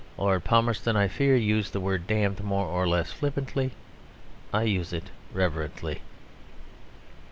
Lord Palmerston, I fear, used the word "damned" more or less flippantly. I use it reverently.